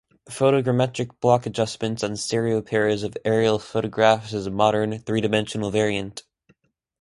Photogrammetric block adjustment of stereo pairs of aerial photographs is a modern, three-dimensional variant.